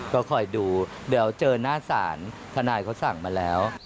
ก็คอยดูเดี๋ยวเจอหน้าศาลทนายเขาสั่งมาแล้ว